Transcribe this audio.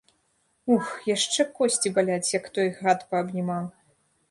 Ух, яшчэ косці баляць, як той гад паабнімаў!